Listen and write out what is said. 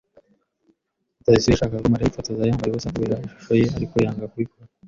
Rutayisire yashakaga ko Mariya yifotoza yambaye ubusa kubera ishusho ye, ariko yanga kubikora.